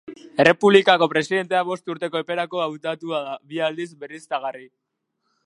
Errepublikako presidentea bost urteko eperako hautatua da, bi aldiz berriztagarri.